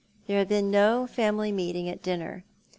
There had been no family meeting at dinner.